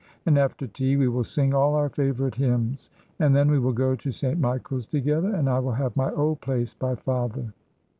And after tea we will sing all our favourite hymns, and then we will go to St. Michael's together, and I will have my old place by father."